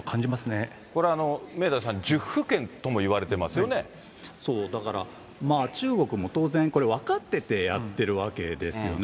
これ、明大さん、そう、だから、まあ中国も当然、これ、分かっててやってるわけですよね。